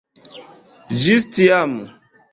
Ĝis tiam.